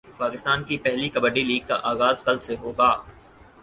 پاکستان کی پہلی کبڈی لیگ کا غاز کل سے ہوگا